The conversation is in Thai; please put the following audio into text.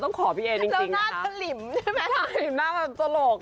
ต้องขอพี่เอจริง